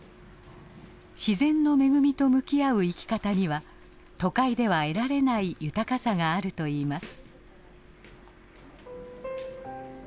自然の恵みと向き合う生き方には都会では得られない豊かさがあるといいます。